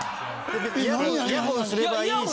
イヤホンすればいいし。